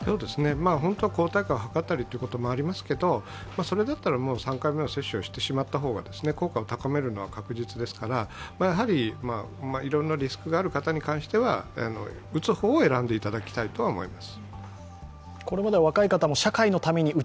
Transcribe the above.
本当は抗体価をはかったりということもありますけどそれだったら３回目接種してしまった方が効果を高めるのは確実ですから、やはりいろんなリスクがある方に関しては、打つ方を選んでいただきたいと思います。